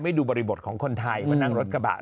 ช่องดูบริบทของคนไทยว่านั่งรถกระบาด